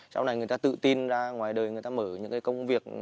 sau này người ta tự tin ra ngoài đời người ta mở những cái công việc